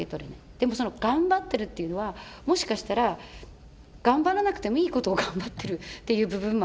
でもその頑張ってるっていうのはもしかしたら頑張らなくてもいいことを頑張ってるっていう部分もあるのかな。